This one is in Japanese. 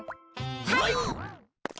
はい！